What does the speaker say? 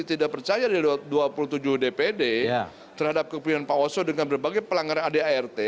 saya tidak percaya dari dua puluh tujuh dpd terhadap kepimpinan pak oso dengan berbagai pelanggaran adart